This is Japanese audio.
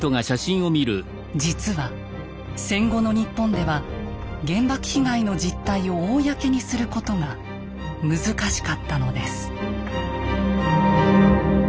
実は戦後の日本では原爆被害の実態を公にすることが難しかったのです。